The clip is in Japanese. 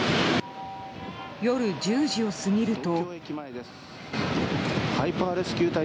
夜１０時を過ぎると。